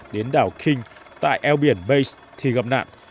đến đảo king tại eo biển bas thì gặp nạn